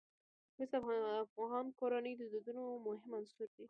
مس د افغان کورنیو د دودونو مهم عنصر دی.